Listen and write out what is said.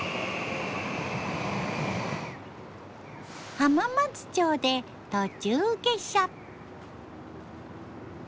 浜松町で途中下車。